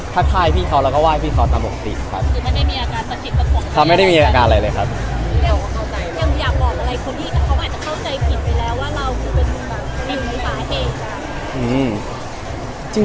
ทักทายแล้วก็ไหว้พี่เขาตามบทกลิ่น